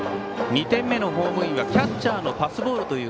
２点目のホームインはキャッチャーのパスボール。